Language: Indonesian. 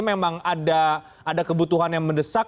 memang ada kebutuhan yang mendesak